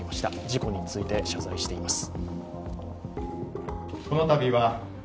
事故について謝罪しています。